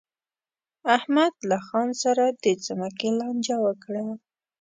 احمد له خان سره د ځمکې لانجه وکړه.